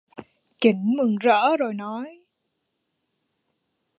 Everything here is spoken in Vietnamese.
Chỉnh mừng rỡ rồi nói